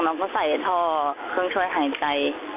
เราก็ใส่ท่อเครื่องช่วยหายใจ